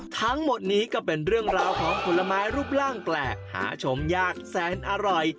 ทั้งหมดนี้ก็เป็นเรื่องราวของผลไม้รูปร่างแปลกหาชมยากแสนอร่อย